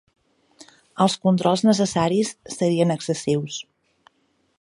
Els controls necessaris serien excessius.